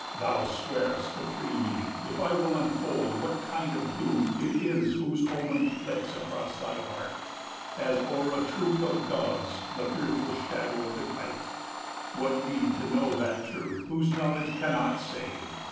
Thou swear'st to free me, if I will unfold 70 What kind of doom it is whose omen flits Across thy heart, as o'er a troop of doves The fearful shadow of the kite. What need To know that truth whose knowledge cannot save?